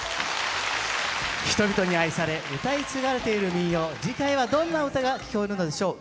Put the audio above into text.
人々に愛されうたい継がれている民謡次回はどんな唄が聞こえるのでしょう。